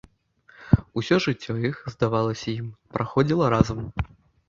Усё жыццё іх, здавалася ім, праходзіла разам.